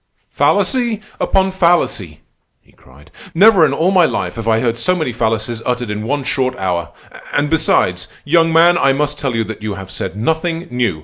"Fallacy upon fallacy!" he cried. "Never in all my life have I heard so many fallacies uttered in one short hour. And besides, young man, I must tell you that you have said nothing new.